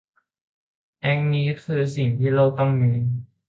แอคนี้คือสิ่งที่โลกต้องมี